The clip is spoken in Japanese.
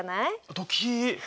ドキッ。